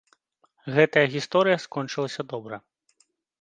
Гэтая гісторыя скончылася добра.